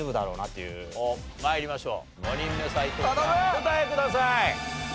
お答えください。